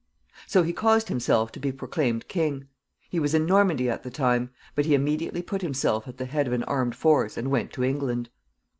So he caused himself to be proclaimed king. He was in Normandy at the time; but he immediately put himself at the head of an armed force and went to England.